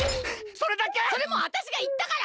それもうわたしがいったから！